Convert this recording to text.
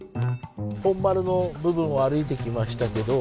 本丸の部分を歩いてきましたけど。